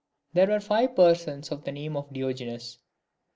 XIII. There were five persons of the name of Diogenes.